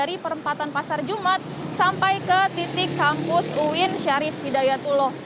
dari perempatan pasar jumat sampai ke titik kampus uin syarif hidayatullah